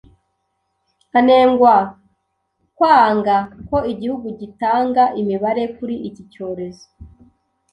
anengwa kwanga ko igihugu gitanga imibare kuri iki cyorezo